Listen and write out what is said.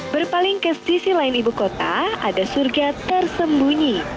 berpaling ke sisi lain ibu kota ada surga tersembunyi